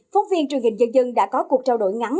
phóng viên truyền hình dân dân đã có cuộc trao đổi ngắn